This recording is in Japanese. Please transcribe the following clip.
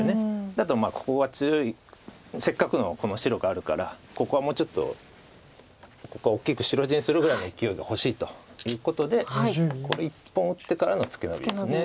あとここが強いせっかくの白があるからここはもうちょっとここは大きく白地にするぐらいのいきおいが欲しいということでこれ１本打ってからのツケノビです。